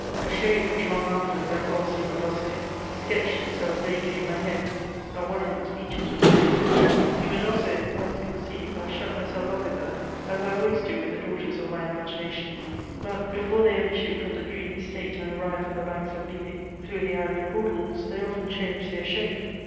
A shade which long afterwards I called Cymodocée sketched itself vaguely in my head; not one of its features was fixed. Cymodocée once conceived, I shut myself up with her, as I always do with the daughters of my imagination; but, before they have issued from the dreamy state and arrived from the banks of Lethe through the ivory portals, they often change their shape.